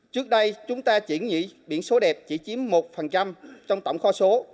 trước đây chúng ta chỉ nghĩ biển số đẹp chỉ chiếm một trong tổng kho số